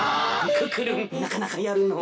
クックルンなかなかやるのう。